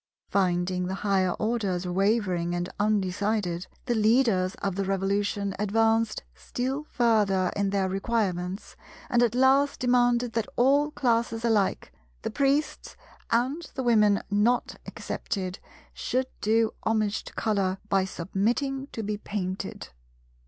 Finding the higher Orders wavering and undecided, the leaders of the Revolution advanced still further in their requirements, and at last demanded that all classes alike, the Priests and the Women not excepted, should do homage to Colour by submitting to be painted.